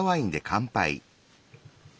乾杯。